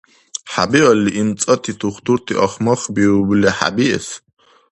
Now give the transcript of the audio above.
ХӀебиалли, имцӀати тухтурти ахмахбиубли хӀебиэс?